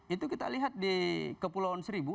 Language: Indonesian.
itu kita lihat di kepulauan seribu